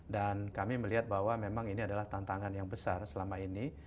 dan kami melihat bahwa memang ini adalah tantangan yang besar selama ini